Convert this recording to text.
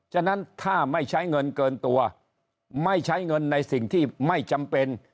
ฉะนั้นถ้าไม่ใช้เงินเกินตัวไม่ใช้เงินในสิ่งที่ไม่จำเป็น